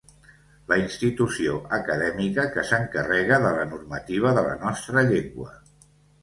La institució acadèmica que s'encarrega de la normativa de la nostra llengua.